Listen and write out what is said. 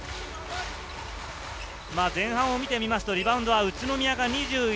前半を見ると、リバウンドは宇都宮が２１。